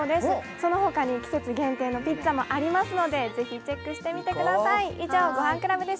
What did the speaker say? その他に季節限定のピッツァもありますのでぜひチェックしてみてください。